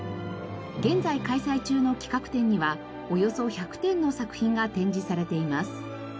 現在開催中の企画展にはおよそ１００点の作品が展示されています。